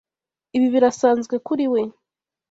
Ibi birasanzwe kuri we.